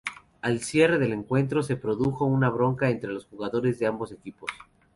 Al cierre del encuentro se produjo una bronca entre los jugadores de ambos equipos.